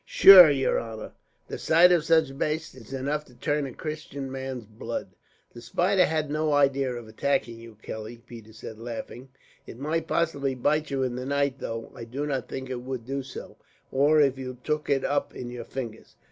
"Shure, yer honor, the sight of such bastes is enough to turn a Christian man's blood." "The spider had no idea of attacking you, Kelly," Peters said, laughing. "It might possibly bite you in the night, though I do not think it would do so; or if you took it up in your fingers."